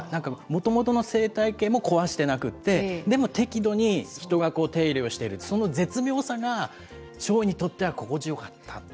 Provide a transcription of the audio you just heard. もともとの生態系も壊してなくって、でも適度に人が手入れをしている、その絶妙さが、チョウにとっては心地よかった。